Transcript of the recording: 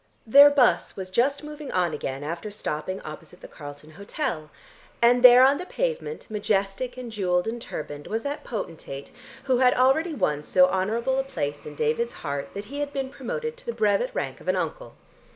Their bus was just moving on again after stopping opposite the Carlton Hotel, and there on the pavement, majestic and jewelled and turbanned was that potentate who had already won so honourable a place in David's heart that he had been promoted to the brevet rank of an uncle.